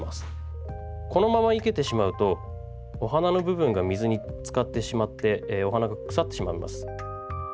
このまま生けてしまうとお花の部分が水につかってしまってお花が腐ってしまいます。